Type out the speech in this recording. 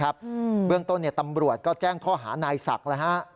เบื้องต้นตำรวจก็แจ้งข้อหานายศักดิ์แล้วฮะ